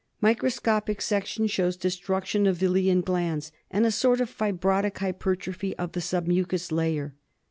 Microscopic section shows destruction of villi and glands, and a sort of fibrotic hypertrophy of the sub mucous layer.